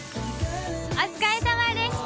お疲れさまでした！